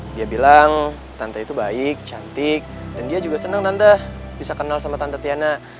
dia bilang tante itu baik cantik dan dia juga senang nanda bisa kenal sama tante tiana